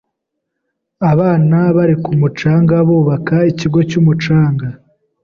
Abana bari ku mucanga bubaka ikigo cyumucanga.